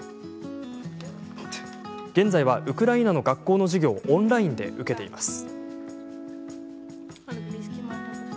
現在はウクライナの学校の授業をオンラインで受けています。